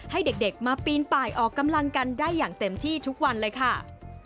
ให้เด็กมาปีนป่ายออกกำลังกันได้อย่างเต็มที่ทุกวันเลยค่ะ